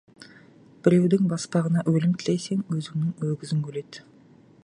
Біреудің баспағына өлім тілесең, өзіңнің өгізің өледі.